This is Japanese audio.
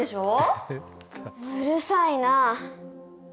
うるさいな！